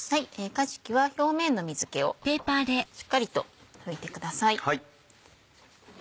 かじきは表面の水気をしっかりと拭いてください。